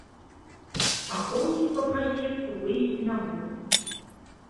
Ахоўнік папрасіў выйсці на вуліцу.